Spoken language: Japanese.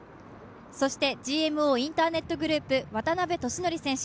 そして、ＧＭＯインターネットグループ・渡邉利典選手。